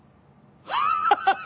ハハハハ！